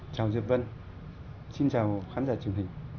chào diệp vân xin chào khán giả truyền hình